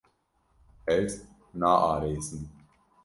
Ez naarêsim.